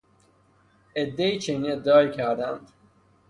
عدهای چنین ادعایی کردهاند